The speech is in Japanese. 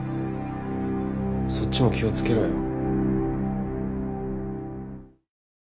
そっちも気をつけろよ。